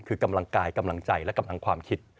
คือกำลังกายกำลังใจและกำลังความคิด